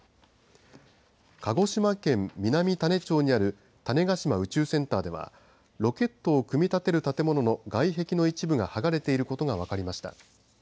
鹿児島県南種子町にある種子島宇宙センターではロケットを組み立てる建物の外壁の一部がはがれていることが分かりました。